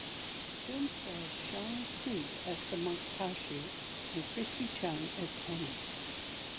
The film stars Shawn Ku as the monk Tashi, and Christy Chung as Pema.